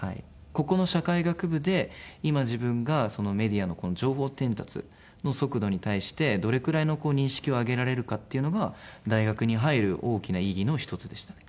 ここの社会学部で今自分がメディアの情報伝達の速度に対してどれくらいの認識を上げられるかっていうのが大学に入る大きな意義の一つでしたね。